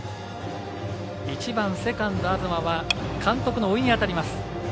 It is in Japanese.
１番セカンド、東は監督の、おいに当たります。